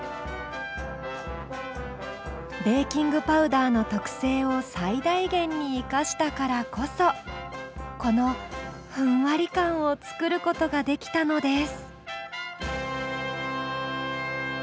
ベーキングパウダーの特性を最大限に生かしたからこそこのふんわり感を作ることができたのです。